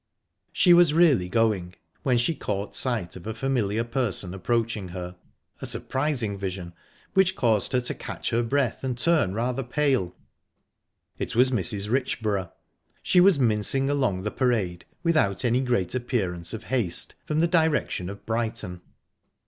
She was really going, when she caught sight of a familiar person approaching her a surprising vision, which caused her to catch her breath and turn rather pale. It was Mrs. Richborough. She was mincing along the parade, without any great appearance of haste, from the direction of Brighton.